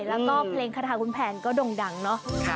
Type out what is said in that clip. แล้วก็เพลงคาทาคุณแพนก็ด่งดังเนาะ